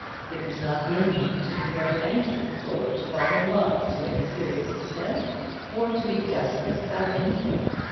It was not in him to be very angry; or to fall in love, to any serious extent; or to be desperate about anything.